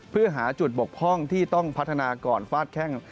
เพื่อหาจุดบกพร่องที่ต้องพัฒนาก่อนฟาดแข้ง